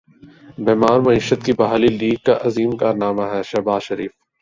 بیمار معیشت کی بحالی لیگ کا عظیم کارنامہ ہے شہباز شریف